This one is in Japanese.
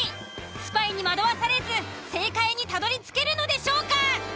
スパイに惑わされず正解にたどりつけるのでしょうか。